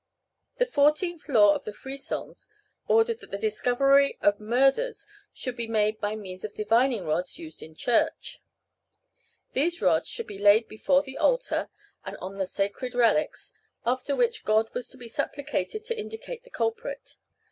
The fourteenth law of the Frisons ordered that the discovery of murders should be made by means of divining rods used in Church. These rods should be laid before the altar, and on the sacred relics, after which God was to be supplicated to indicate the culprit.